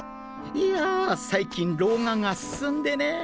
いやぁ最近老眼が進んでねぇ。